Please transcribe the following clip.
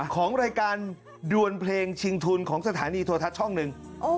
ของรายการดวนเพลงชิงทุนของสถานีโทรทัศน์ช่องหนึ่ง